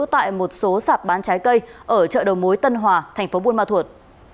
tại một số sạp bán trái cây ở chợ đầu mối tân hòa thành phố buôn ma thuột